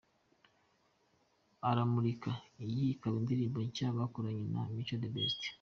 'Aramurika', iyi ikaba indirimbo nshya bakoranye na Mico The Best.